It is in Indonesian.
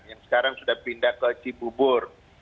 yang sekarang sudah pindah ke cibubur